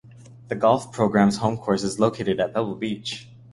The golf program's home course is located at Pebble Beach.